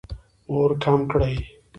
اور کم کړئ